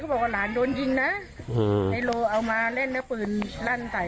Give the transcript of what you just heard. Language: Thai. เขาบอกว่าหลานโดนยิงนะเอามาเล่นเนื้อปืนลั่นไต